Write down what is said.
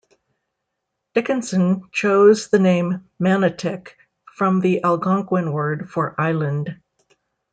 Dickinson chose the name 'Manotick' from the Algonquin word for 'island'.